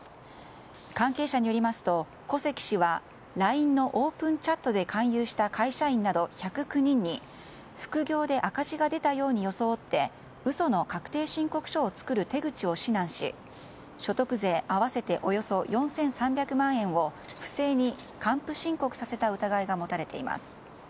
関係者によりますと、古関氏はＬＩＮＥのオープンチャットで勧誘した会社員など１０９人に副業で赤字が出たように装って嘘の確定申告書を作る手口を指南し所得税合わせておよそ４３００万円を不正に還付申告させた疑いが持たれています。